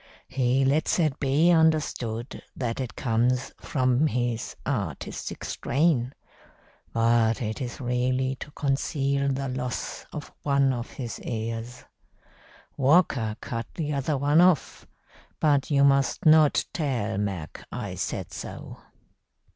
He lets it be understood that it comes from his artistic strain, but it is really to conceal the loss of one of his ears. Walker cut the other one off, but you must not tell Mac I said so.